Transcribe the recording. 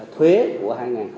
thuế của hai nghìn hai mươi